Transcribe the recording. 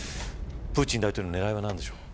プーチン大統領の狙いは何でしょうか。